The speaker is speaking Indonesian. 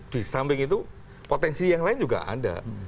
disamping itu potensi yang lain juga ada